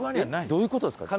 どういう事ですか？